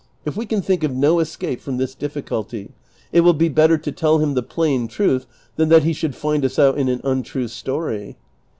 If we can think of no escaj^e from this difficulty, it will be better to tell him the plain truth than that he should find us out in an untrue story."